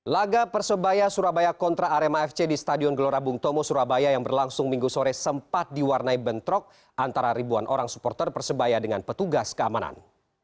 laga persebaya surabaya kontra arema fc di stadion gelora bung tomo surabaya yang berlangsung minggu sore sempat diwarnai bentrok antara ribuan orang supporter persebaya dengan petugas keamanan